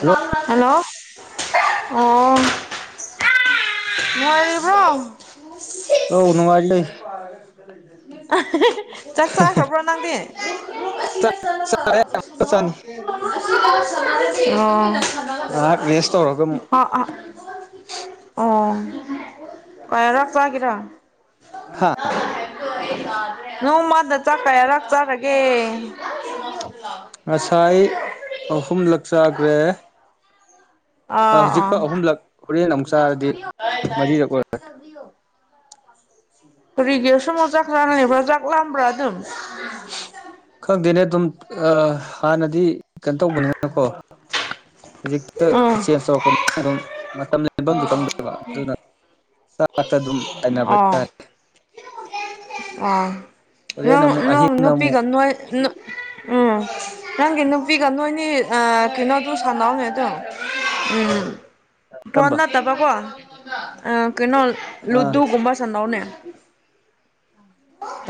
Hello hello ꯑꯣ ꯑꯥ ꯅꯨꯡꯉꯥꯢꯔꯤꯕ꯭ꯔꯣ ꯑꯧ ꯅꯨꯡꯉꯥꯏꯂꯩ [unintelligible] [unintelligible] ꯆꯥꯛ ꯆꯥꯈꯔꯕ꯭ꯔꯣ ꯅꯪꯗꯤ ꯔꯨꯝ ꯔꯨꯝ ꯑꯁꯤꯗ ꯆꯠꯂꯒ ꯁꯥꯟꯅꯧꯋꯣ ꯉꯥꯏꯍꯥꯛ ꯑꯁꯤꯗ ꯁꯥꯟꯅꯔꯗꯤ ꯑꯣ ꯇꯨꯃꯤꯟꯅ ꯁꯥꯟꯅꯒꯗꯕ ꯔꯦꯁ ꯇꯧꯔꯒ ꯑꯃꯨꯛ ꯑꯁ ꯑꯣ ꯑꯣ ꯑꯣ ꯀꯥꯏꯔꯛꯄꯒꯤꯔ ꯍꯥ ꯗꯣ ꯑꯩ ꯇꯥꯗ꯭ꯔꯦ ꯅꯣꯡꯃꯥꯗ ꯆꯥꯛ ꯀꯌꯥꯔꯛ ꯆꯥꯔꯒꯦ ꯉꯁꯥꯏ ꯑꯍꯨꯝꯂꯛ ꯆꯥꯒ꯭ꯔꯦ ꯑꯥ ꯍꯧꯖꯤꯛꯀ ꯑꯍꯨꯝꯂꯛ ꯍꯣꯔꯦꯟ ꯑꯃꯨꯛ ꯆꯥꯔꯗꯤ ꯃꯔꯤꯔꯛ ꯑꯣꯏꯔꯦ ꯀꯔꯤꯒꯤꯔ ꯁꯨꯝ ꯆꯥꯛ ꯂꯥꯝꯂꯤꯕ꯭ꯔꯥ ꯆꯥꯛ ꯂꯥꯝꯕ꯭ꯔꯥ ꯑꯗꯨꯝ ꯆꯦꯝꯆꯝ ꯈꯪꯗꯦꯅꯦ ꯑꯗꯨꯝ ꯑꯥ ꯍꯥꯟꯅꯗꯤ ꯀꯩꯅꯣ ꯇꯧꯕꯅꯦꯅ ꯀꯣ ꯍꯧꯖꯤꯛꯇ ꯈꯔ ꯑꯥ ꯆꯦꯟꯁ ꯇꯧꯔꯛꯄꯅꯤꯅ ꯑꯗꯨꯝ ꯃꯇꯝ ꯂꯦꯟꯕꯝꯁꯨ ꯈꯪꯗꯕ ꯑꯗꯨꯅ ꯆꯥꯛꯇ ꯑꯗꯨꯝ ꯇꯥꯏꯅꯕ ꯑꯥ ꯍꯥꯏꯇꯥꯔꯦ ꯑꯥ ꯍꯣꯔꯦꯟ ꯅꯪ ꯑꯃꯨꯛ ꯅꯪ ꯑꯍꯤꯡꯅ ꯑꯃꯨꯛ ꯅꯨꯄꯤꯒ ꯅꯣꯏ ꯎꯝ ꯅꯪꯒꯤ ꯅꯨꯄꯤꯒ ꯅꯣꯏꯅꯤ ꯑꯥ ꯀꯩꯅꯣꯗꯨ ꯁꯥꯟꯅꯧꯅꯦ ꯑꯗꯨꯝ ꯎꯝ ꯐꯣꯟ ꯀꯔꯝꯕ ꯅꯠꯇꯕ ꯀꯣ ꯑꯥ ꯀꯩꯅꯣ ꯑꯥ ꯂꯨꯗꯨꯒꯨꯝꯕ ꯁꯥꯅꯧꯅꯦ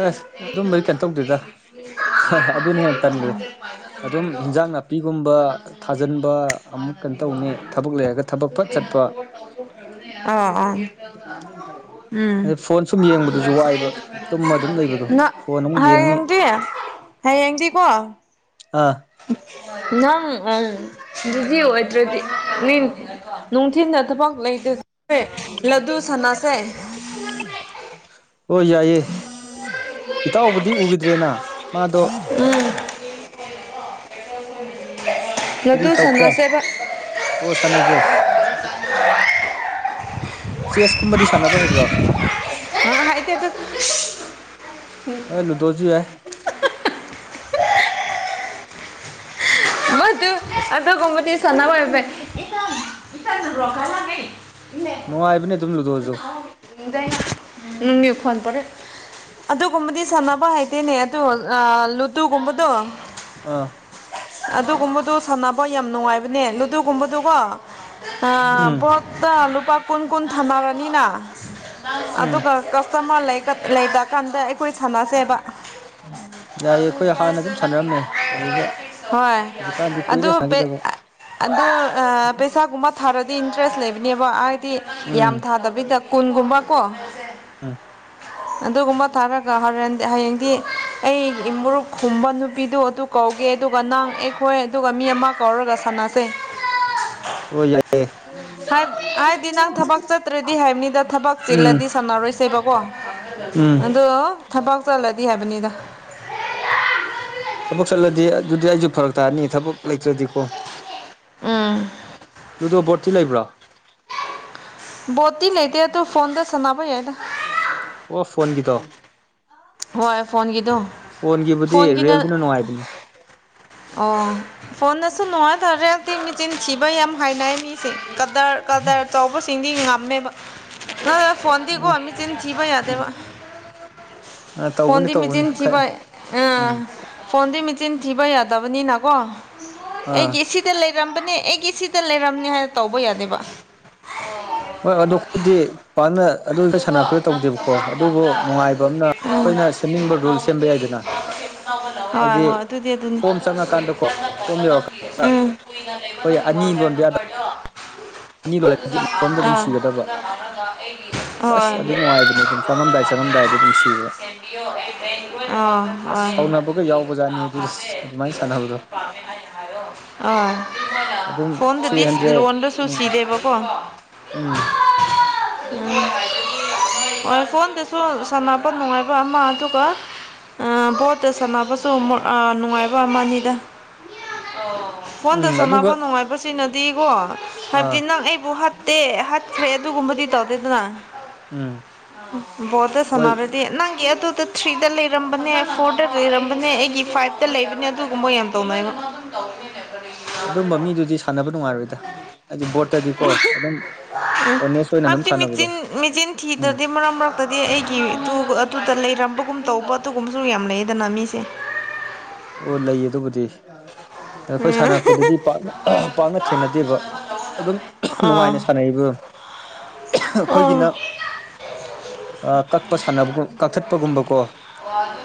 ꯑꯁ ꯑꯗꯨꯝꯕꯩ ꯀꯩꯅꯣ ꯇꯧꯗꯦꯗ ꯑꯍꯥ ꯑꯗꯨꯅ ꯍꯦꯟꯅ ꯇꯟꯒ꯭ꯔꯦ ꯑꯗꯨꯝ ꯏꯟꯖꯥꯡ ꯅꯥꯄꯤ ꯄꯤꯒꯨꯝꯕ ꯊꯥꯖꯟꯕ ꯑꯃꯨꯛ ꯀꯩꯅꯣ ꯇꯧꯅꯤ ꯊꯥꯕꯛ ꯂꯩꯔꯒ ꯊꯥꯕꯛ ꯐꯠ ꯆꯠꯄ ꯑꯥ ꯑꯥ ꯎꯝ ꯑꯗꯣ ꯐꯣꯟ ꯁꯨꯝ ꯌꯦꯡꯕꯗꯨꯁꯨ ꯋꯥꯏꯌꯦꯕ ꯇꯨꯝꯃ ꯑꯗꯨꯝ ꯂꯩꯕꯗꯣ ꯐꯣꯟ ꯑꯃꯨꯛ ꯌꯦꯡꯅꯤ ꯉꯤ ꯍꯌꯦꯡꯗꯤ ꯀꯣ ꯑꯥ ꯅꯪ ꯚꯤꯗꯤꯌꯣ ꯑꯣꯏꯗ꯭ꯔꯗꯤ ꯅꯤꯡ ꯅꯨꯡꯊꯤꯜꯗ ꯊꯥꯕꯛ ꯂꯩꯇꯦꯗ [unintelligible] ꯍꯣ ꯌꯥꯏꯑꯦ ꯏꯇꯥꯎꯕꯨꯗꯤ ꯎꯒꯤꯗ꯭ꯔꯦꯅ ꯃꯥꯗꯣ ꯎꯝ ꯀꯔꯤ ꯂꯨꯗꯨ ꯇꯧꯈ꯭ꯔꯦ ꯁꯥꯟꯅꯁꯦꯕ [unintelligible] ꯑꯣ ꯁꯥꯟꯅꯁꯦ ꯆꯦꯁꯀꯨꯝꯕꯗꯤ ꯁꯥꯟꯅꯕ ꯍꯩꯕ꯭ꯔꯣ ꯑꯥ ꯂꯨꯗꯣꯁꯨ ꯌꯥꯏ [unintelligible] ꯑꯁ ꯑꯗꯨꯒꯨꯝꯕꯗꯤ [unintelligible] ꯅꯨꯡꯉꯥꯏꯕꯅꯦ ꯑꯗꯨꯝ ꯂꯨꯗꯣꯖꯨ [unintelligible] ꯑꯗꯨꯒꯨꯝꯕꯗꯤ ꯁꯥꯟꯅꯕ ꯍꯥꯏꯇꯦꯅꯦ ꯑꯗꯣ ꯑꯥ ꯂꯨꯗꯨꯒꯨꯝꯕꯗꯣ ꯑꯥ ꯑꯗꯨꯒꯨꯝꯕꯗꯣ ꯁꯥꯟꯅꯕ ꯌꯥꯝ ꯅꯨꯡꯉꯥꯏꯕꯅꯦ ꯂꯨꯗꯨꯒꯨꯝꯕꯗꯨ ꯀꯣ ꯑꯥ ꯎꯝ ꯕꯣꯠꯇ ꯂꯨꯄꯥ ꯀꯨꯟ ꯀꯨꯟ ꯊꯥꯅꯔꯅꯤꯅ ꯎꯝ ꯑꯗꯨꯒ ꯀꯁꯇꯃꯔ ꯂꯩꯀ ꯂꯩꯇ꯭ꯔꯀꯥꯟꯗ ꯑꯩ ꯈꯣꯏ ꯁꯥꯟꯅꯁꯦꯕ ꯌꯥꯏꯌꯦ ꯑꯩꯈꯣꯏ ꯍꯥꯟꯅ ꯑꯗꯨꯝ ꯁꯥꯟꯅꯔꯝꯃꯦ ꯑꯗꯨꯗ ꯍꯧꯖꯤꯛꯀꯥꯟꯗꯤ ꯑꯗꯣ ꯀꯨꯏꯔꯦ ꯕꯦ ꯁꯥꯟꯅꯈꯤꯗꯕ ꯑꯥ ꯑꯗꯣ ꯑꯥ ꯕꯦ ꯄꯩꯁꯥꯒꯨꯝꯕ ꯊꯥꯔꯗꯤ ꯏꯟꯇꯔꯦꯁ ꯂꯩꯕꯅꯦꯕ ꯍꯥꯏꯗꯤ ꯎꯝ ꯌꯥꯝ ꯊꯥꯗꯕꯤꯗ ꯀꯨꯟꯒꯨꯝꯕ ꯀꯣ [unintelligible] ꯑꯗꯨꯒꯨꯝꯕ ꯊꯥꯔꯒ ꯍꯣꯔꯦꯟ ꯍꯌꯦꯡꯗꯤ ꯑꯩ ꯃꯣꯔꯨꯞꯀꯨꯝꯕ ꯅꯨꯄꯤꯗꯨ ꯑꯗꯨ ꯀꯧ ꯑꯗꯨꯒ ꯅꯪ ꯑꯩꯈꯣꯏ ꯑꯗꯨꯒ ꯃꯤ ꯑꯃ ꯀꯧꯔꯒ ꯁꯥꯟꯅꯁꯦ꯫ ꯍꯣꯏ ꯌꯥꯏꯑꯦ꯫ ꯁꯛ ꯍꯥꯏꯗꯤ ꯅꯪ ꯊꯕꯛ ꯆꯠꯇ꯭ꯔꯗꯤ ꯍꯥꯏꯕꯅꯤꯗ ꯊꯕꯛ ꯎꯝ ꯆꯤꯜꯂꯗꯤ ꯁꯥꯟꯅꯔꯣꯏꯁꯦꯕꯀꯣ꯫ ꯎꯝ ꯑꯗꯣ ꯊꯕꯛ ꯆꯠꯂꯗꯤ ꯍꯥꯏꯕꯅꯤꯗ꯫ ꯊꯕꯛ ꯆꯠꯂꯗꯤ ꯑꯗꯨꯗꯤ ꯑꯩꯖꯨ ꯐꯔꯛ ꯇꯥꯅꯤ ꯊꯕꯛ ꯂꯩꯇ꯭ꯔꯗꯤꯀꯣ ꯎꯝ ꯂꯨꯗꯣ ꯕꯣꯠꯇꯤ ꯂꯩꯕ꯭ꯔꯥ? ꯕꯣꯠꯇꯤ ꯂꯩꯇꯦ ꯑꯗꯣ ꯐꯣꯟꯗ ꯁꯥꯟꯅꯕ ꯌꯥꯏ ꯑꯣ ꯐꯣꯟꯒꯤꯗꯣ ꯍꯣꯏ ꯐꯣꯟꯒꯤꯗꯣ ꯐꯣꯟꯒꯤꯕꯨꯗꯤ ꯐꯣꯟꯒꯤꯅ ꯔꯤꯌꯦꯜꯗꯨꯅ ꯅꯨꯡꯉꯥꯏꯕꯅꯤ ꯑꯣ ꯐꯣꯟꯗꯁꯨ ꯅꯨꯡꯉꯥꯏꯇꯔꯦ ꯍꯥꯏꯕꯗꯤ ꯃꯤꯆꯤꯟ ꯊꯤꯕ ꯌꯥꯝ ꯍꯥꯏꯅꯩ ꯃꯤꯁꯤꯡ ꯀꯗꯔ ꯀꯗꯔ ꯇꯧꯕꯁꯤꯡꯗꯤ ꯉꯝꯃꯦꯕ ꯅꯠ ꯐꯣꯟꯗꯤꯀꯣ ꯎꯝ ꯃꯤꯆꯤꯟ ꯊꯤꯕ ꯎꯝ ꯌꯥꯗꯦꯕ꯫ ꯑ ꯇꯧꯕꯅꯤ ꯐꯣꯟꯗꯤ ꯇꯧꯕꯅꯤ ꯃꯤꯆꯤꯟ ꯊꯤꯕ ꯈꯔ ꯑ ꯎꯝ ꯐꯣꯟꯗꯤ ꯃꯤꯆꯤꯟ ꯊꯤꯕ ꯌꯥꯗꯕꯅꯤꯅꯀꯣ ꯑꯥ ꯑꯩꯒꯤ ꯏꯁꯤꯡ ꯁꯤꯗ ꯂꯩꯔꯝꯕꯅꯦ ꯑꯩꯒꯤ ꯁꯤꯗ ꯂꯩꯔꯝꯅꯦ ꯍꯥꯏꯅ ꯇꯧꯕ ꯌꯥꯗꯦꯕ꯫ ꯍꯣꯏ ꯑꯗꯣ ꯑꯩꯈꯣꯏꯗꯤ ꯄꯥꯛꯅ ꯑꯗꯨꯗ ꯑꯗꯨꯒ ꯁꯥꯟꯅꯄꯗ ꯅꯪ ꯇꯧꯗꯦꯕꯀꯣ ꯆꯠꯄ ꯑꯗꯨꯕꯨ ꯃꯇꯝꯗ ꯑꯗꯨ ꯅꯨꯡꯉꯥꯏꯕ ꯑꯃꯅ ꯑꯩꯈꯣꯏꯅ ꯑꯦꯔꯄꯣꯔꯠꯇ ꯁꯤꯝ ꯁꯦꯝꯅꯤꯡꯕ ꯔꯨꯜ ꯁꯦꯝꯕ ꯑꯅꯧꯕꯒꯤ ꯌꯥꯏꯗꯅ꯫ ꯅꯪ ꯁꯤꯝ ꯑꯅꯧꯕ ꯂꯧꯋꯦ ꯍꯣꯏ ꯍꯥꯏꯗꯤ ꯍꯣꯏ ꯑꯗꯨꯗꯤ ꯑꯗꯨꯅꯤ ꯍꯣꯝ ꯑꯗꯨ ꯆꯪꯉꯀꯥꯟꯗꯀꯣ ꯁꯤꯝꯗ ꯍꯣꯝ ꯅꯠꯇ꯭ꯔꯒ ꯅꯪꯒꯤ ꯌꯧꯔꯀꯥꯟꯗ ꯑꯁꯤꯝ ꯀꯨꯏꯅ ꯂꯩꯕ ꯅꯪꯒꯤ ꯋꯥꯆꯦꯞ ꯅꯝꯕꯔꯗꯣ ꯑꯅꯤ ꯑꯗꯨ ꯂꯣꯜꯂꯗꯤ ꯃꯇꯣꯝꯗ ꯍꯥꯡꯔ ꯑꯗꯨꯝ ꯁꯤꯒꯗꯕ ꯑꯗꯨꯗ ꯍꯥꯡꯔꯒ ꯑꯩꯒꯤ ꯑꯁ ꯑꯩ ꯑꯗꯨ ꯅꯨꯡꯉꯥꯏꯕꯅꯦ ꯕꯦꯂꯦꯟꯁꯁꯦ ꯑꯗꯨꯝ ꯁꯤꯗꯧꯕ ꯆꯪꯉꯝꯗꯥꯏ ꯄꯥꯝꯃꯦ ꯆꯪꯉꯝꯗꯥꯏꯗ ꯑꯗꯨꯝ ꯁꯤꯕ ꯑꯥ ꯑꯁ ꯍꯣꯏ꯫ ꯁꯥꯎꯅꯕꯒ ꯌꯥꯎꯕꯖꯥꯠꯅꯤ ꯑꯗꯨꯗ ꯑꯗꯨꯃꯥꯏꯅ ꯁꯥꯟꯅꯕꯗꯣ ꯑ ꯑꯗꯨꯝ ꯐꯣꯟꯗꯗꯤ ꯊ꯭ꯔꯤ ꯍꯟꯗ꯭ꯔꯦꯠ ꯂꯣꯟꯗ ꯎꯝ ꯁꯤꯗꯦꯕ ꯀꯣ ꯎꯝ ꯎꯝ ꯍꯣꯏ ꯐꯣꯟꯗꯁꯨ ꯁꯥꯟꯅꯄ ꯅꯨꯡꯉꯥꯏꯕ ꯑꯃ ꯑꯗꯨꯒ ꯚꯣꯠꯇ ꯁꯥꯟꯅꯕꯁꯨ ꯅꯨꯡꯉꯥꯏꯕ ꯑꯃꯅꯤꯗ ꯐꯣꯟꯗ ꯎꯝ ꯑꯗꯨꯒ ꯁꯥꯟꯅꯕ ꯅꯨꯡꯉꯥꯏꯕꯁꯤꯅꯗꯤꯀꯣ ꯑꯥ ꯍꯥꯏꯕꯗꯤ ꯅꯪ ꯑꯩꯕꯨ ꯍꯥꯠ ꯇꯦ ꯍꯥꯠꯈ꯭ꯔꯦ ꯑꯒꯨꯝꯕꯗꯤ ꯇꯧꯗꯦꯗꯅ ꯎꯝ ꯕꯣꯠꯇ ꯍꯣꯏ ꯁꯟꯅꯕ ꯅꯪꯒꯤ ꯑꯗꯨꯗ ꯊ꯭ꯔꯤꯗ ꯂꯩꯔꯝꯕꯅꯦ ꯐꯣꯔꯗ ꯂꯩꯔꯝꯕꯅꯦ ꯑꯩꯒꯤ ꯐꯥꯏꯚ ꯇ ꯂꯩꯕꯅꯦ ꯑꯗꯨꯒꯨꯝꯕ ꯌꯥꯝ ꯇꯧꯅꯩꯕ ꯫ ꯑꯗꯨꯝꯕ ꯃꯤꯗꯨꯗꯤ ꯁꯥꯟꯅꯕ ꯅꯨꯡꯉꯥꯏꯔꯣꯏꯗ ꯍꯥꯏꯗꯤ ꯕꯣꯔꯠꯇꯗꯤꯀꯣ ꯑꯗꯨꯝ ꯑꯣꯅꯦꯁ ꯑꯣꯏꯅ ꯑꯗꯨꯝ ꯁꯥꯟꯅ ꯆꯤꯟ ꯃꯤꯆꯤꯟ ꯊꯤꯗꯔꯗꯤ ꯃꯔꯛ ꯃꯔꯛ ꯇꯗꯤ ꯑꯩꯒꯤ ꯑꯗꯨꯗ ꯂꯩꯔꯝꯕꯒꯨꯝ ꯇꯧꯕ ꯑꯗꯨꯒꯨꯝꯕꯁꯨ ꯌꯥꯝ ꯂꯩꯌꯦꯗꯅ ꯃꯤꯁꯦ꯫ ꯑꯣ ꯂꯩꯌꯦ ꯑꯗꯨꯕꯨꯗꯤ ꯑꯩꯈꯣꯏ ꯁꯥꯟꯅꯔꯛꯄꯗꯨꯗꯤ ꯄꯥꯛꯅ ꯄꯥꯛꯅ ꯊꯦꯡꯅꯗꯦꯕ꯫ ꯑꯗꯨꯝ ꯑꯥ ꯅꯨꯡꯉꯥꯏꯅ ꯁꯥꯟꯅꯩꯕ ꯗꯨꯝ ꯑꯥ ꯑꯈꯣꯏꯒꯤꯅ ꯀꯛꯄ ꯁꯥꯟꯅꯕꯒꯨꯝ ꯀꯛꯊꯠꯄꯒꯨꯝꯕ ꯀꯣ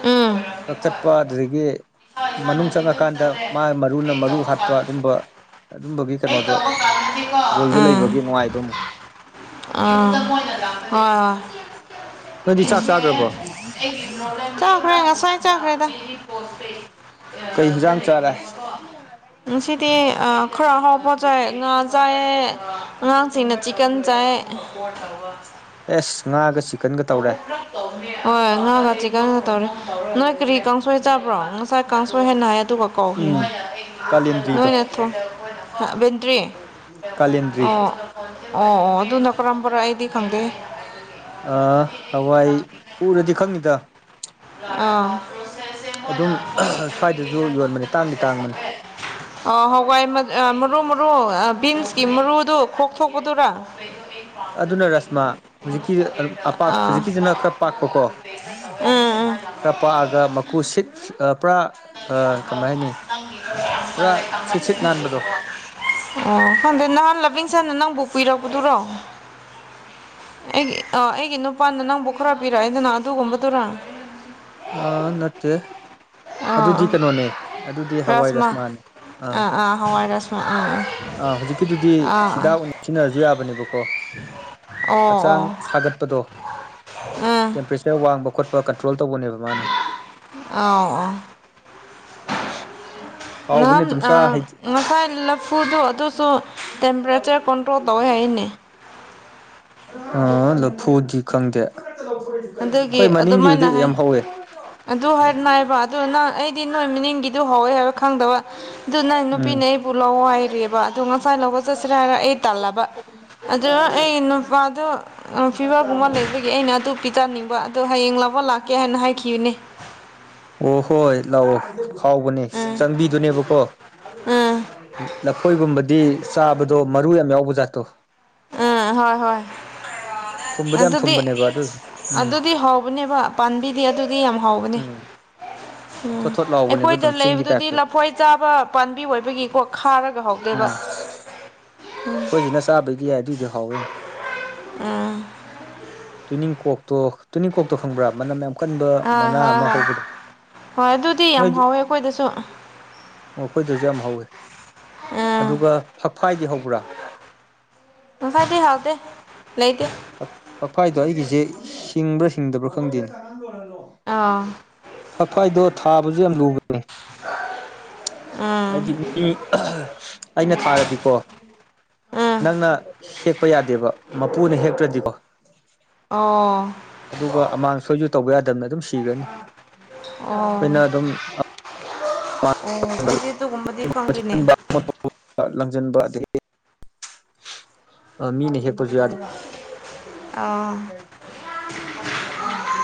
ꯎꯝ ꯀꯛꯊꯠꯄ ꯑꯗꯨꯗꯒꯤ ꯏꯁꯥ ꯃꯅꯨꯡ ꯏꯁꯥꯅꯗꯤ ꯑꯗꯨꯝ ꯆꯪꯉꯀꯥꯟꯗ ꯆꯠꯂꯦ ꯃꯥ ꯃꯔꯨꯅ ꯑꯩ ꯃꯔꯨ ꯇꯧꯕ ꯍꯥꯠꯄ ꯀꯥꯟꯗꯁꯨ ꯑꯗꯨꯝꯕ ꯑꯗꯨꯝꯕꯒꯤ ꯑꯩ ꯀꯩꯅꯣꯗꯣ ꯇꯧꯕ ꯀꯥꯟꯗꯗꯤꯀꯣ ꯔꯨꯜꯗꯣ ꯂꯩꯕꯒꯤ ꯅꯨꯡꯉꯥꯏꯕ ꯑꯃꯨꯛ ꯑꯥ ꯍꯣꯏ ꯅ‌ꯣꯢꯗꯤ ꯆꯥꯛ ꯆꯥꯒ꯭ꯔꯕꯣ ꯆꯥꯈ꯭ꯔꯦ ꯉꯁꯥꯏꯟ ꯆꯥꯈ꯭ꯔꯦꯗ ꯀꯩ ꯗ ꯍꯤꯟꯖꯥꯡ ꯆꯥꯔꯦ ꯂꯩꯕꯅꯦꯕꯀꯣ ꯉꯁꯤꯗꯤ ꯑ ꯈꯔ ꯑꯍꯥꯎꯕ ꯆꯥꯏ ꯉꯥ ꯆꯥꯏꯌ‌ꯦ ꯑꯉꯥꯡꯁꯤꯡꯅ ꯆꯤꯀꯟ ꯆꯥꯏ [unintelligible] ꯑꯦꯁ ꯉꯥꯒ ꯆꯤꯀꯟꯒ ꯇꯧꯔꯦ ꯍꯣꯏ ꯉꯥꯒ ꯆꯤꯀꯟ ꯇꯧꯔ‌ꯦ ꯅꯣꯏ ꯀꯔꯤ ꯀꯥꯡꯁꯣꯏ ꯆꯥꯕ꯭ꯔꯣ ꯉꯁꯥꯏ ꯀꯥꯡꯁꯣꯏ ꯍꯥꯏꯅ ꯍꯥꯏ ꯗꯨꯒ ꯀꯧꯈꯔꯤꯅꯤ ꯎꯝ ꯅꯣꯏ ꯀꯥꯂꯦꯟꯗ꯭ꯔꯤꯗꯣ ꯅꯠꯇꯔꯣ [unintelligible] ꯀꯔꯤ ꯀꯥꯂꯦꯟꯗ꯭ꯔꯤ ꯑꯣ ꯑꯣ ꯑꯣ ꯑꯗꯨꯅ ꯀꯔꯝꯕꯔ ꯑꯩꯗꯤ ꯈꯪꯗꯦ ꯑ ꯍꯋꯥꯏ ꯎꯔꯗꯤ ꯈꯪꯅꯤꯗ ꯑꯥ ꯄꯔ‌ꯣꯁ‌ꯦꯁ ꯃ‌ꯣꯏꯅ ꯑꯗꯨꯝ ꯃ‌ꯣꯏꯒꯤ ꯁ꯭ꯋꯥꯏꯗꯁꯨ [unintelligible] ꯌꯣꯟꯕꯅꯦ ꯇꯥꯡꯗꯤ ꯄꯔ‌ꯣꯁ‌ꯦꯁ ꯇꯥꯡꯕꯅꯦ ꯇ‌ꯧꯋ‌ꯦ [unintelligible] ꯑꯥ ꯍꯋꯥꯏ ꯃꯠ ꯑꯥ ꯃꯔꯨ ꯃꯔꯨ ꯑꯥ ꯕꯤꯟꯁꯀꯤ ꯃꯔꯨꯗꯨ ꯈ‌ꯣꯛꯊꯣꯛꯄꯗꯨꯔꯥ ꯑꯗꯨꯅ ꯔꯁꯃꯥ ꯍꯨꯖꯤꯛꯀꯤ ꯑꯄꯥꯛ ꯑꯥ ꯑꯥ, ꯍꯨꯖꯤꯛꯀꯤꯖꯤꯅ ꯈ ꯑꯃꯨꯛꯀ ꯄꯥꯛꯄꯀꯣ ꯇꯧꯋꯦ ꯎꯝ ꯎꯝ ꯈꯔ ꯄꯥꯛ ꯑꯒ ꯃꯀꯨ ꯁꯤꯠ ꯑꯥ ꯄꯨꯔꯥ [unintelligible] ꯀꯃꯥꯏ ꯍꯥꯏꯅꯤ ꯄꯨꯔꯥ ꯁꯤꯠ ꯁꯤꯠ ꯅꯥꯟꯕꯗꯣ ꯑꯣ ꯈꯪꯗꯦ ꯅꯍꯥꯟ ꯂꯕꯤꯡꯁꯟꯅ ꯅꯪꯕꯨ ꯀꯨꯏꯔꯛ ꯄꯗꯨꯔꯣ ꯑꯩꯒꯤ ꯑꯥ ꯑꯩꯒꯤ ꯅꯨꯄꯥꯅ ꯅꯪꯕꯨ ꯈꯔ ꯄꯤꯔ ꯑ‌ꯦꯗꯅ ꯑꯗꯨꯒꯨꯝꯕꯗꯨꯔꯥ ꯑꯥ ꯅꯠꯇꯦ ꯑꯥ ꯑꯗꯨꯗꯤ ꯑꯥ ꯀꯅꯣꯅꯦ ꯑꯗꯨꯗꯤ ꯍꯋꯥꯏ ꯔꯥꯁꯃꯥ ꯔꯁꯃꯥꯅꯦ ꯑꯥ ꯑꯥ ꯍꯋꯥꯏ ꯔꯥꯁꯃꯥ ꯑꯥ ꯑꯥ ꯑꯥ ꯍꯨꯖꯤꯛꯀꯤꯗꯨꯗꯤ ꯑꯥ ꯍꯤꯗꯥꯛ ꯑꯣꯏꯅ ꯁꯤꯟꯅꯔꯖꯨ ꯌꯥꯕꯅꯦꯕꯀꯣ ꯑꯣ ꯍꯛꯆꯥꯡ ꯑꯣ ꯁꯥꯒꯠꯄꯗꯣ ꯑꯥ ꯇꯦꯝꯄꯔꯦ ꯆ ꯋꯥꯡꯕ ꯈꯣꯠꯄ ꯀꯟꯇ꯭ꯔꯣꯜ ꯇꯧꯕꯅꯦꯕ ꯃꯥꯅ ꯑꯧ ꯑꯧ ꯍꯥꯎꯕꯅꯦ ꯅꯝ ꯑꯗꯨꯝ ꯆꯥ ꯑꯥ ꯍꯩꯗꯤ ꯉꯁꯥꯢ ꯂꯐꯨꯗꯣ ꯗꯨꯁꯨ ꯇꯦꯝꯄꯔꯦꯆꯔ ꯀ‌ꯣꯟꯇ꯭ꯔꯣꯜ ꯇꯧꯋꯦ ꯍꯥꯏꯅꯦ ꯑꯥ ꯂꯐꯨꯗꯤ ꯈꯪꯗꯦ ꯑꯗꯨꯒꯤ ꯈꯣꯏ ꯃꯅꯤꯡꯒꯤꯕꯨꯗꯤ ꯑꯗꯨꯃꯥꯏꯅ ꯍꯥꯏ ꯌꯥꯝ ꯍꯧꯋꯦ ꯑꯗꯨ ꯍꯥꯏ ꯅꯥꯏꯕ ꯑꯗꯨ ꯅꯪ ꯑꯩꯗꯤ ꯅꯣꯏ ꯃꯤꯅꯤꯡꯒꯤꯗꯨ ꯍꯧꯋꯦ ꯍꯥꯏꯕ ꯈꯪꯗꯕ ꯗꯨ ꯅꯪ ꯅꯨꯄꯤꯅ ꯎꯝ ꯑꯩꯕꯨ ꯂꯧ ꯍꯥꯏꯔꯤꯑ‌ꯦꯕ ꯑꯗꯨ ꯉꯁꯥꯏ ꯂꯧꯕ ꯆꯠꯁꯤꯔ ꯍꯥꯏꯔ ꯑꯩ ꯇꯜꯂꯕ ꯑꯗꯨ ꯑꯥ ꯑꯩ ꯅꯨꯄꯥꯗꯣ ꯑꯥ ꯐꯤꯚꯔꯒꯨꯝꯕ ꯂꯩꯕꯒꯤ ꯑꯩꯅ ꯑꯗꯨ ꯄꯤ ꯆꯥꯅꯤꯡꯕ ꯑꯗꯣ ꯍꯌꯦꯡ ꯂꯧꯕ ꯂꯥꯛꯀꯦ ꯍꯥꯏꯅ ꯍꯥꯏꯈꯤꯕꯅꯦ ꯑꯣ ꯍꯣꯏ ꯂꯧꯑꯣ ꯍꯥꯎꯕꯅꯦ ꯎꯝ ꯆꯪꯕꯤꯗꯨꯅꯦꯕꯀꯣ ꯎꯝ ꯂꯐꯣꯏꯒꯨꯝꯕꯗꯤ ꯆꯥꯕꯗꯣ ꯃꯔꯨ ꯌꯥꯝ ꯌꯥꯎꯕ ꯖꯥꯠꯇꯣ ꯑꯥ ꯍꯣꯏ ꯍꯣꯏ ꯊꯨꯝꯕꯗꯤ ꯌꯥꯝ ꯑꯗꯨꯗꯤ ꯊꯨꯝꯕꯅꯦꯕ ꯑꯗꯨꯁꯨ ꯎꯝ ꯑꯗꯨꯗꯤ ꯍꯥꯎꯕꯅꯦꯕ ꯄꯥꯝꯕꯤꯗꯤ ꯑꯗꯨꯗꯤ ꯌꯥꯝ ꯍꯥꯎꯕꯅꯦ ꯎꯝ ꯎꯝ ꯊꯣꯠ ꯊꯣꯠ ꯂꯥꯎꯕꯅꯦꯕ ꯑꯩꯈꯣꯏꯗ ꯑꯗꯨꯝ ꯆꯤꯡꯒꯤ ꯂꯩꯕꯗꯨꯗꯤ ꯇꯥꯏꯞꯇ ꯂꯐꯣꯏ ꯆꯥꯕ ꯄꯥꯝꯕꯤ ꯑꯣꯏꯕꯒꯤꯀꯣ ꯈꯥꯔꯒ ꯍꯥꯎꯇꯦꯕ ꯈꯣꯏꯖꯤꯅ ꯆꯥꯕꯩꯗꯤ ꯌꯥꯏ ꯑꯗꯨꯏꯖꯨ ꯍꯥꯎꯋꯦ ꯎꯝ ꯇꯨꯅꯤꯡ ꯀ‌ꯣꯛꯇꯣ ꯇꯨꯅꯤꯡ ꯈ‌ꯣꯛꯇꯣ ꯈꯪꯕ꯭ꯔꯥ ꯃꯅꯝ ꯌꯥꯝ ꯀꯟꯕ ꯍꯣꯏ ꯃꯅꯥ ꯍꯣꯏ ꯑꯃꯥ ꯍꯣꯏ ꯍꯧꯕꯗ‌ꯣ ꯍꯣꯏ ꯑꯗꯨꯗꯤ ꯌꯥꯝ ꯅꯣꯏꯗꯤ ꯍꯥꯎꯋꯦ ꯑꯩꯈꯣꯏꯗꯁꯨ ꯑ‌ꯣ ꯑꯈꯣꯏꯗꯖꯨ ꯌꯥꯝ ꯍꯧꯋ‌ꯦ ꯎꯝ ꯑꯗꯨꯒ ꯐꯛꯐꯥꯏꯗꯤ ꯍꯧꯕ꯭ꯔꯥ ꯐꯛꯐꯥꯏꯗꯤ ꯍꯧꯗꯦ ꯂꯩꯇꯦ ꯐꯛꯐꯥꯏꯗꯣ ꯑꯩꯒꯤꯖꯤ ꯍꯤꯡꯕ꯭ꯔꯥ ꯍꯤꯡꯗꯕ꯭ꯔꯥ ꯈꯪꯗꯦ ꯑꯥ ꯐꯛꯐꯥꯢꯗꯣ ꯊꯥꯕꯖꯨ ꯌꯥꯝ ꯂꯨꯕꯅꯦ ꯎꯝ ꯍꯥꯏꯗꯤ ꯃꯤ ꯑꯩꯅ ꯊꯥꯔꯗꯤꯀꯣ ꯎꯝ ꯅꯪꯅ ꯍꯦꯛꯄ ꯌꯥꯗꯦꯕ ꯃꯄꯨꯅ ꯍꯦꯛꯇ꯭ꯔꯗꯤꯀꯣ ꯑꯣ ꯑꯗꯨꯒ ꯑꯃꯥꯡ ꯁꯣꯏꯁꯨ ꯇꯧꯕ ꯌꯥꯗꯕꯅ ꯑꯗꯨꯝ ꯁꯤꯈ꯭ꯔꯅꯤ ꯑꯣ ꯑꯩꯈꯣꯏꯅ ꯑꯗꯨꯝ ꯑꯣ ꯑꯩꯗꯤ ꯑꯗꯨꯒꯨꯝꯕꯗꯤ ꯈꯪꯗꯦꯅꯦ ꯂꯪꯁꯤꯟꯕ ꯑꯗꯒꯤ ꯑ ꯃꯤꯅ ꯍꯦꯛꯄꯁꯨ ꯌꯥꯗꯦ ꯑꯥ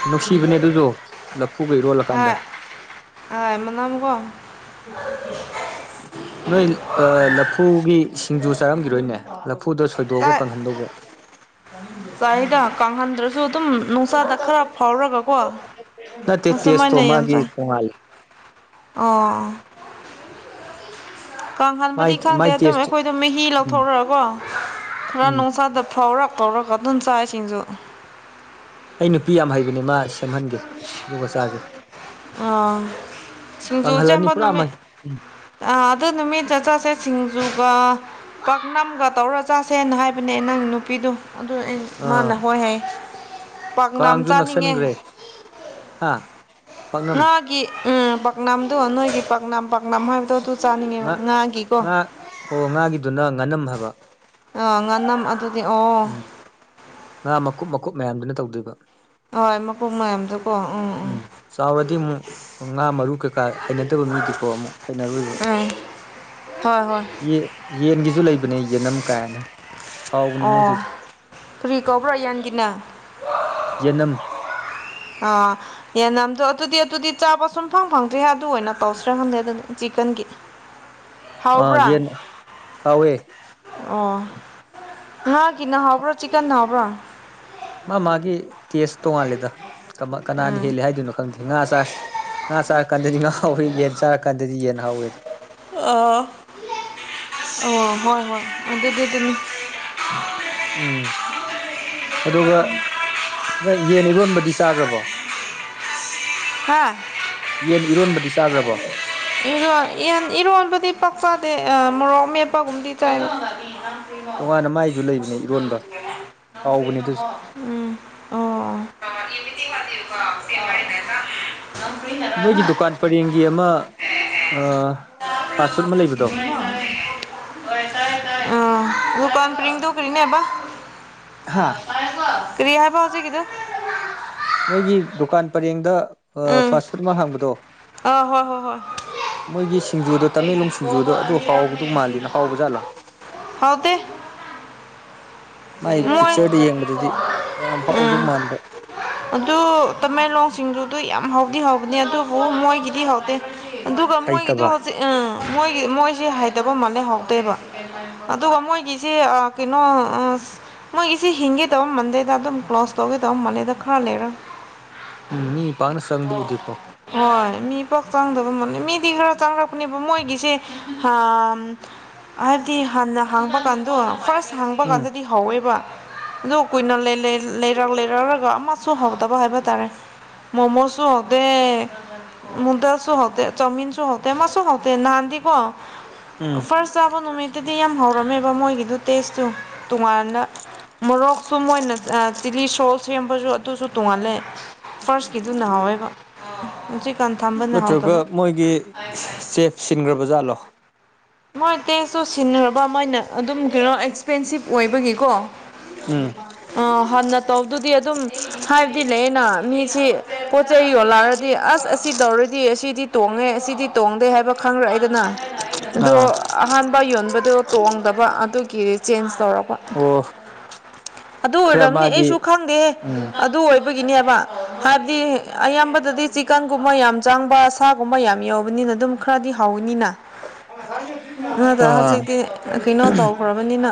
ꯅꯨꯡꯁꯤꯕꯅꯦ ꯑꯗꯨꯁꯨ ꯂꯐꯨꯒ ꯏꯔꯣꯜꯂꯀꯥꯟꯗ ꯑ ꯃꯃꯅꯒꯣ ꯅꯣꯏ ꯂꯐꯨꯒꯤ ꯁꯤꯡꯖꯨ ꯆꯥꯔꯝꯈꯤꯔꯣꯏꯅꯦ ꯂꯐꯨꯗ ꯁꯣꯏꯗꯣꯛꯑꯒ ꯀꯪꯍꯟꯗꯧꯕ ꯀꯪꯍꯟꯗ꯭ꯔ ꯁꯨ ꯑꯗꯨꯝ ꯅꯨꯡꯁꯥꯗ ꯈꯔ ꯐꯥꯎꯔꯒꯀꯣ ꯅꯠꯇꯦ ꯇꯦꯁꯇꯣ ꯑꯁꯨꯃꯥꯏꯅ ꯌꯥꯝ ꯃꯥꯒꯤ ꯆꯥꯏ ꯇꯣꯡꯉꯥꯜꯂꯦ ꯑꯣ ꯃꯥꯏ ꯀꯥꯡꯍꯟꯕꯗꯤ ꯈꯪꯗꯦ ꯃꯥꯏ ꯑꯗꯨꯝ ꯇꯦꯁ ꯑꯩꯈꯣꯏꯗꯣ ꯃꯍꯤ ꯎꯝ ꯂꯧꯊꯣꯛꯔꯀꯣ ꯈꯔ ꯎꯝ ꯅꯨꯡꯁꯥꯗ ꯐꯥꯎꯔꯛ ꯇꯧꯔꯒ ꯑꯗꯨꯝ ꯆꯥꯏ ꯁꯤꯡꯖꯨ ꯑꯩ ꯅꯨꯄꯤ ꯌꯥꯝ ꯍꯩꯕꯅꯦ ꯃꯥ ꯁꯦꯝꯍꯟꯒꯦ ꯗꯨꯒ ꯆꯥꯁꯦ ꯑꯣ ꯁꯤꯡꯖꯨ ꯀꯪꯍꯜꯂꯅꯤ ꯁꯦꯝꯕ ꯄꯨꯔꯥ ꯃꯩ ꯅꯨꯃꯤꯠ ꯎꯝ ꯑ ꯑꯗꯨ ꯅꯨꯃꯤꯠ ꯆꯠ ꯆꯁꯦ ꯁꯤꯡꯖꯨꯒ ꯄꯥꯛꯅꯝꯒ ꯇꯧꯔ ꯆꯥꯁꯦꯅ ꯍꯥꯏꯕꯅꯦ ꯅꯪ ꯅꯨꯄꯤꯗꯣ ꯑꯗꯨ ꯑꯩ ꯑꯥ ꯃꯥꯅ ꯍꯣꯏ ꯍꯥꯏ ꯄꯥꯛꯅꯝ ꯆꯥꯅꯤꯡꯉꯦ ꯍꯥꯥ ꯉꯥꯒꯤ ꯎ ꯄꯥꯛꯅꯝꯗꯣ ꯅꯣꯏꯒꯤ ꯄꯥꯛꯅꯝ ꯄꯥꯛꯅꯝ ꯍꯥꯏꯕꯗꯣ ꯑꯗꯨ ꯆꯥꯅꯤꯡꯉꯦꯕ ꯉꯥ ꯉꯥꯒꯤꯀꯣ ꯉꯥ ꯍꯣ ꯉꯥꯒꯤꯗꯨꯅ ꯉꯥꯅꯝ ꯍꯥꯏꯕ ꯑꯥ ꯉꯥꯅꯝ ꯑꯗꯨꯗꯤ ꯑꯣ ꯎꯝ ꯉꯥ ꯃꯀꯨꯞ ꯃꯀꯨꯞ ꯃꯌꯥꯝꯗꯨꯅ ꯇꯧꯗꯣꯏꯕ ꯍꯣꯏ ꯃꯀꯣꯛ ꯃꯌꯥꯝꯗꯨ ꯎꯝ ꯆꯥꯎꯔꯗꯤ ꯃꯨꯛ ꯉꯥ ꯃꯔꯨ ꯀꯩꯀꯥ ꯍꯩꯅꯗꯕ ꯃꯤꯗꯤꯀꯣ ꯑꯃꯨꯛ ꯍꯩꯅꯔꯣꯏꯕ ꯎꯝ ꯍꯣꯏ ꯍꯣꯏ ꯌꯦ ꯌꯦꯟꯒꯤꯁꯨ ꯂꯩꯕꯅꯦ ꯌꯦꯟꯅꯝ ꯀꯥꯏꯅ ꯍꯥꯎꯕꯅꯦ ꯃꯣꯏꯁꯨ ꯑꯣ ꯀꯔꯤ ꯀꯧꯕ꯭ꯔꯥ ꯌꯦꯟꯒꯤꯅ ꯌꯦꯟꯅꯝ ꯑꯥ ꯌꯦꯟꯅꯝꯗꯣ ꯑꯗꯨꯗꯤ ꯑꯗꯨꯗꯤ ꯆꯥꯕ ꯁꯨꯡ ꯐꯪ ꯐꯪꯗ꯭ꯔꯤꯌꯦ ꯑꯗꯨ ꯑꯣꯏꯅ ꯇꯧꯁꯤꯔ ꯈꯪꯗꯦ ꯑꯗꯨꯗꯤ ꯆꯤꯛꯀꯟꯒꯤ ꯑꯥ ꯍꯥꯎꯕ꯭ꯔꯥ ꯌꯦꯟ ꯍꯥꯎꯋꯦ ꯑꯣ ꯉꯥꯒꯤꯅ ꯍꯥꯎꯕ꯭ꯔꯣ ꯆꯤꯛꯀꯟꯅ ꯍꯥꯎꯕ꯭ꯔꯣ ꯃꯥ ꯃꯥꯒꯤ ꯇꯦꯁ ꯇꯣꯉꯥꯜꯂꯤꯗ ꯀꯃ ꯀꯅꯥꯅ ꯎꯝ ꯍꯦꯜꯂꯤ ꯍꯥꯏꯗꯨꯅꯣ ꯈꯪꯗꯦ ꯉꯥ ꯆꯥ ꯉꯥ ꯆꯥꯔ ꯀꯥꯟꯗꯗꯤ ꯉꯥ ꯍꯥꯎꯋꯦ ꯌꯦꯟ ꯆꯥꯔꯀꯥꯟꯗꯗꯤ ꯌꯦꯟ ꯍꯥꯎꯋꯦ ꯑꯥ ꯑꯣ ꯍꯣꯏ ꯍꯣꯏ ꯑꯗꯨꯗꯤ ꯗꯨꯅꯤ ꯎꯝ [unintelligible] ꯑꯗꯨꯒ ꯅꯪ ꯌꯦꯟ ꯏꯔꯣꯟꯕꯗꯤ ꯆꯥꯒ꯭ꯔꯕꯣ ꯍꯥ ꯌꯦꯟ ꯏꯔꯣꯟꯕꯗꯤ ꯆꯥꯒ꯭ꯔꯕꯣ [unintelligible] ꯌꯦꯟ ꯏꯔꯣꯟꯕꯗꯤ ꯄꯥꯛ ꯆꯥꯗꯦ ꯑꯥ ꯃꯣꯔꯣꯛ ꯃꯦꯠꯄꯒꯨꯝꯕꯗꯤ ꯆꯥꯏ ꯇꯣꯉꯥꯟꯅ ꯃꯥꯏꯖꯨ ꯂꯩꯕꯅꯦ ꯏꯔꯣꯟꯕ ꯍꯥꯎꯕꯅꯦ ꯑꯗꯨꯁꯨ ꯎꯝ ꯑꯥ [unintelligible] ꯅꯣꯏꯒꯤ ꯗꯨꯀꯥꯟ ꯄꯔꯦꯡꯒꯤ ꯑꯃꯥ ꯑꯥ ꯐꯥꯁ ꯐꯨꯠ ꯑꯃꯥ ꯂꯩꯕꯗꯣ [unintelligible] ꯑꯥ ꯗꯨꯀꯥꯟ ꯄꯔꯦꯡꯗꯣ ꯀꯔꯤꯅꯦꯕ ꯍꯥꯥ [unintelligible] ꯀꯔꯤ ꯍꯥꯏꯕ ꯍꯧꯖꯤꯛꯀꯤꯗꯣ ꯅꯣꯏꯒꯤ ꯗꯨꯀꯥꯟ ꯄꯔꯦꯡꯗ ꯑꯥ ꯎꯝ ꯐꯥꯁ ꯐꯨꯠ ꯑꯃꯥ ꯍꯥꯡꯕꯗꯣ ꯑꯥ ꯍꯣꯏ ꯍꯣꯏ ꯍꯣꯏ ꯃꯣꯏꯒꯤ ꯁꯤꯡꯖꯨꯗꯣ ꯇꯃꯦꯡꯂꯣꯡ ꯁꯤꯡꯖꯨꯗꯣ ꯑꯗꯨ ꯍꯥꯎꯕꯗꯧ ꯃꯥꯜꯂꯤꯅ ꯍꯥꯎꯕꯖꯥꯠꯂꯣ [unintelligible] ꯍꯥꯎꯇꯦ ꯃꯥꯥꯏ ꯃꯣꯏ ꯄꯤꯛꯆꯔꯗ ꯌꯦꯡꯕꯗꯗꯤ ꯌꯥꯝ ꯍꯥꯎꯗꯧ ꯎꯝ ꯃꯥꯟꯕ ꯑꯗꯨ ꯇꯥꯃꯦꯡꯂꯣꯡ ꯁꯤꯡꯖꯨꯗꯣ ꯌꯥꯝ ꯍꯥꯎꯗꯤ ꯍꯧꯕꯅꯦ ꯑꯗꯨꯕꯨ ꯃꯣꯏꯒꯤꯗꯤ ꯍꯥꯎꯇꯦ ꯑꯗꯨꯒ ꯃꯣꯏꯒꯤꯗꯨ ꯍꯩꯇꯕ ꯑꯥ ꯃꯣꯏꯒꯤ ꯃꯣꯏꯖꯦ ꯍꯩꯇꯕ ꯃꯥꯜꯂꯦ ꯍꯥꯎꯇꯦꯕ ꯑꯗꯨꯒ ꯃꯣꯏꯒꯤꯖꯤ ꯑꯥ ꯀꯩꯅꯣ ꯑꯁ ꯃꯣꯏꯒꯤꯁꯤ ꯍꯤꯡꯒꯦ ꯇꯧꯕ ꯃꯥꯟꯗꯦꯗ ꯑꯗꯨꯝ ꯀ꯭ꯂꯣꯖ ꯇꯧꯒꯦ ꯇꯧꯕ ꯃꯥꯜꯂꯦꯗ ꯈꯔ ꯂꯩꯔ ꯎꯝ ꯃꯤ ꯄꯥꯛꯅ ꯆꯪꯕ ꯎꯗꯦ ꯀꯣ ꯍꯣꯏ ꯃꯤ ꯄꯥꯛ ꯆꯪꯗꯕ ꯃꯥꯂꯦ ꯃꯤꯗꯤ ꯈꯔ ꯆꯪꯉꯛꯄꯅꯦꯕ ꯃꯣꯏꯒꯤꯁꯦ ꯍꯥꯝ ꯍꯥꯏꯕꯗꯤ ꯍꯥꯟꯅ ꯍꯥꯡꯕ ꯀꯥꯟꯗꯣ ꯐꯥꯔꯁ ꯍꯥꯡꯕ ꯎꯝ ꯀꯥꯟꯗ ꯍꯧꯋꯦꯕ ꯑꯗꯨꯒ ꯀꯨꯏꯅ ꯂꯩ ꯂꯩ ꯂꯩꯔꯛ ꯂꯩꯔꯛꯑꯒ ꯑꯃꯁꯨ ꯍꯧꯗꯕ ꯍꯥꯏꯕ ꯇꯥꯔꯦ ꯃꯣꯃꯣꯁꯨ ꯍꯥꯎꯗꯦ ꯅꯨꯗꯜꯁꯨ ꯍꯥꯎꯇꯦ ꯆꯧꯃꯤꯟꯁꯨꯨ ꯍꯥꯎꯇꯦ ꯑꯃꯥꯁꯨ ꯍꯥꯎꯇꯦ ꯅꯥꯥꯍꯟꯗꯤ ꯀꯣ ꯎꯝ ꯐꯥ꯭ꯔꯁ ꯆꯥꯕ ꯅꯨꯃꯤꯠꯇꯗꯤ ꯌꯥꯝ ꯍꯧꯔꯝꯃꯦꯕ ꯃꯣꯏꯒꯤꯗꯨ ꯇꯦꯁꯇꯨ ꯇꯣꯉꯥꯟꯅ ꯃꯣꯔꯣꯛꯁꯨ ꯃꯣꯏꯅ ꯆꯤꯂꯤ ꯁꯣꯜꯁ ꯁꯦꯝꯕꯁꯨ ꯑꯗꯨꯁꯨ ꯇꯨꯉꯥꯜꯂꯦ ꯐꯥꯔꯁꯀꯤꯗꯨꯅ ꯍꯥꯎꯋꯦꯕ ꯍꯨꯖꯤꯛ ꯅꯠꯇ꯭ꯔꯒ ꯃꯣꯏꯒꯤ ꯆꯦꯞ ꯁꯤꯟꯒ꯭ꯔꯕ ꯖꯥꯠꯂꯣ ꯃꯣꯏ ꯇꯦꯁꯇꯨ ꯁꯤꯟꯅꯔꯕ ꯃꯣꯏꯅ ꯑꯗꯨꯝ ꯀꯩꯅꯣ ꯑꯦꯛꯁꯄꯦꯟꯁꯤꯞ ꯑꯣꯏꯕꯒꯤ ꯀꯣ ꯎꯝ ꯑꯥ ꯍꯟꯅ ꯇꯧꯕꯗꯨꯗꯤ ꯑꯗꯨꯝ ꯍꯥꯏꯕꯗꯤ ꯂꯩꯌꯦꯅ ꯃꯤꯁꯤ ꯄꯣꯠꯆꯩ ꯌꯣꯜꯂꯛꯔꯗꯤ ꯑꯁ ꯟꯑꯁꯤ ꯇꯧꯔꯗꯤ ꯑꯁꯤꯗꯤ ꯇꯣꯡꯉꯦ ꯑꯁꯤꯗꯤ ꯇꯣꯡꯗꯦ ꯍꯥꯏꯕ ꯈꯪꯔꯛꯑꯦꯗꯅ ꯑꯗꯣ ꯑꯥ ꯑꯍꯥꯟꯕ ꯌꯣꯟꯕꯗꯣ ꯇꯣꯡꯗꯕ ꯑꯗꯨꯒꯤ ꯆꯦꯟꯖ ꯇꯧꯔꯕ ꯑꯣ ꯑꯗꯨ ꯈꯔ ꯑꯣꯏꯔꯝꯅꯤ ꯃꯥꯒꯤ ꯑꯩꯁꯨ ꯈꯪꯗꯦ ꯎꯝ ꯑꯗꯨ ꯑꯣꯏ ꯕꯒꯤꯅꯦꯕ ꯍꯥꯏꯕꯗꯤ ꯑꯌꯥꯝꯕꯗꯗꯤ ꯆꯤꯛꯀꯟꯒꯨꯝꯕ ꯌꯥꯝ ꯆꯥꯡꯕ ꯁꯥꯒꯨꯝꯕ ꯌꯥꯝ ꯌꯥꯎꯕꯅꯤꯅ ꯗꯨꯝ ꯈꯔꯗꯤ ꯍꯥꯎꯅꯤꯅ ꯑꯥ ꯍꯧꯖꯤꯛꯇꯤ ꯀꯩꯅꯣ ꯇꯧꯈ꯭ꯔꯕꯅꯤꯅ